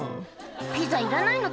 「ピザいらないの？